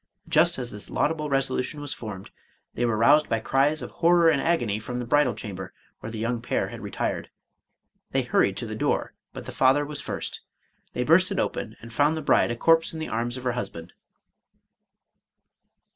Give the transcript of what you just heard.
Just as this laudable resolution was formed, they were roused by cries of horror and agony from the bridal chamber, where the young pair had retired. They hurried to the door, but the father was first. They burst it open, and found the bride a corse in the arms of her husband.